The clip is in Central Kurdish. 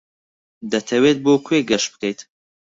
دەتەوێت بۆ کوێ گەشت بکەیت؟